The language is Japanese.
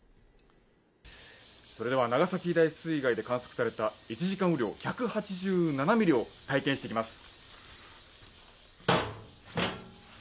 それでは長崎大水害で観測された１時間雨量１８７ミリを体験してきます。